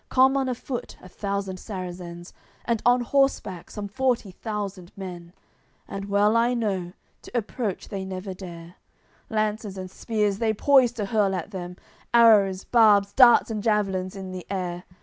Come on afoot a thousand Sarrazens, And on horseback some forty thousand men. But well I know, to approach they never dare; Lances and spears they poise to hurl at them, Arrows, barbs, darts and javelins in the air.